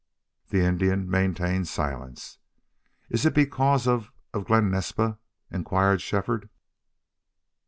The Indian maintained silence. "Is it because of of Glen Naspa?" inquired Shefford.